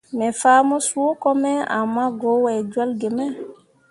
Me fah mo suuko me ama go wai jolle ge me.